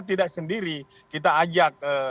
tidak sendiri kita ajak